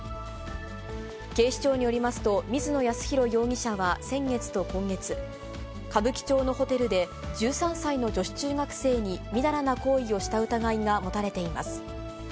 警視庁によりますと、水野泰宏容疑者は先月と今月、歌舞伎町のホテルで、１３歳の女子中学生にみだらな行為をした疑いが持たれています。